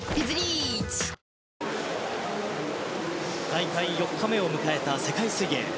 大会４日目を迎えた世界水泳。